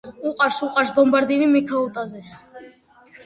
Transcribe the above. უყვარს უყვარს ბომბარდირი მიქაუტაძეს